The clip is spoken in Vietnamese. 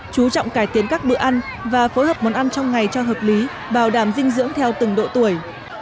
chú trọng cải tiến các bữa ăn và phối hợp món ăn trong ngày cho hợp lý bảo đảm dinh dưỡng theo từng độ tuổi